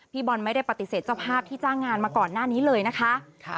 บอลไม่ได้ปฏิเสธเจ้าภาพที่จ้างงานมาก่อนหน้านี้เลยนะคะ